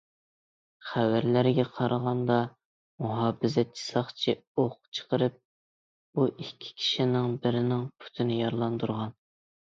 خەۋەرلەرگە قارىغاندا، مۇھاپىزەتچى ساقچى ئوق چىقىرىپ بۇ ئىككى كىشىنىڭ بىرىنىڭ پۇتىنى يارىلاندۇرغان.